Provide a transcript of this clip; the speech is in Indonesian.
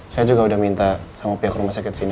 saya juga udah minta sama pihak rumah sakit sini